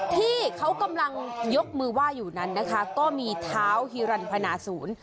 ที่เขากำลังยกมือไหว้อยู่นั้นนะคะก็มีเท้าฮีรันพนาศูนย์